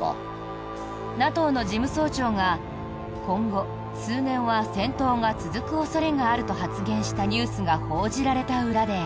ＮＡＴＯの事務総長が今後、数年は戦闘が続く恐れがあると発言したニュースが報じられた裏で。